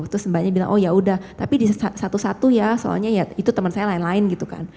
terus mbaknya bilang oh yaudah tapi di satu satu ya soalnya ya itu teman saya lain lain gitu kan